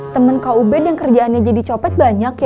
temen kub yang kerjaannya jadi copet banyak ya